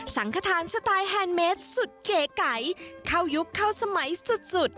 สังขทานสไตล์แฮนด์เมดสุดเก๋ไก่เข้ายุคเข้าสมัยสุด